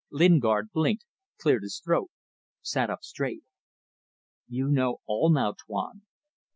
Lingard blinked, cleared his throat sat up straight. "You know all now, Tuan.